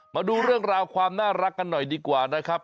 มาดูเรื่องราวความน่ารักกันหน่อยดีกว่านะครับ